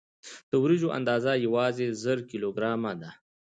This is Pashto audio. د وریجو اندازه یوازې زر کیلو ګرامه ده.